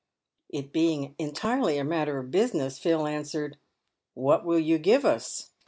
It being entirely a matter of business, Phil answered, "What will you give us?"